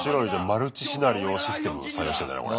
マルチシナリオシステム採用してんだね。